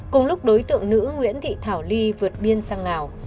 cùng lúc đối tượng nữ nguyễn thị thảo ly vượt biên sang lào